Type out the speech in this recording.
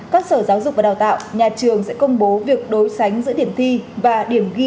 các sở giáo dục và đào tạo nhà trường sẽ công bố việc đối sánh giữa điểm thi và điểm ghi